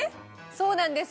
そうなんです